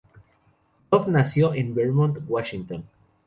Duff nació en Bremerton, Washington.